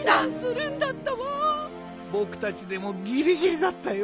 ぼくたちでもギリギリだったよ。